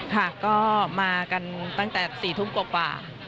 ค่ะก็มากันตั้งแต่๔ทุ่มกว่า